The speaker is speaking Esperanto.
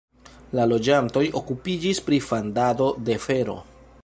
La loĝantoj okupiĝis pri fandado de fero.